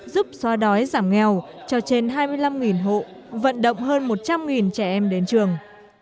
giúp xóa đói giảm nghèo cho trên hai mươi năm hộ vận động hơn một trăm linh trẻ em đến trường